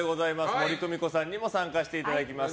森公美子さんにも参加していただきます。